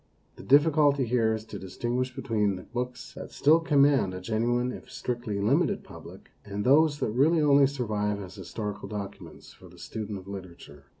The difficulty here is to distinguish between the books that still command a genuine if strictly limited public, and those that really only survive as historical docu ments for the student of literature.